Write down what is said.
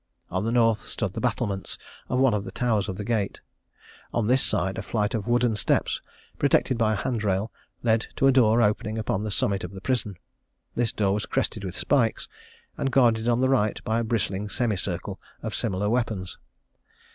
On the north stood the battlements of one of the towers of the gate. On this side a flight of wooden steps, protected by a hand rail, led to a door opening upon the summit of the prison. This door was crested with spikes, and guarded on the right by a bristling semi circle of similar weapons.